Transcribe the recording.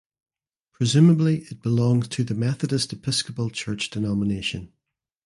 Presumably it belongs to the Methodist Episcopal Church denomination.